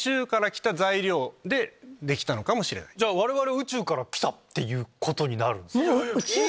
じゃあ我々宇宙からきたっていうことになるんですか？